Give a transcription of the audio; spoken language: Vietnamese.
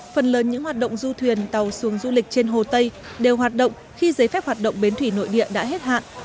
phần lớn những hoạt động du thuyền tàu xuồng du lịch trên hồ tây đều hoạt động khi giấy phép hoạt động bến thủy nội địa đã hết hạn